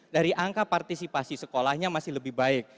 dari angka partisipasi sekolahnya masih lebih baik